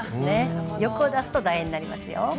欲を出すと楕円になりますよ。